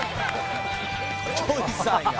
ＪＯＹさんや！